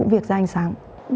việc ra ánh sáng